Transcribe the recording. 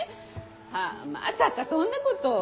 はぁまさかそんなこと。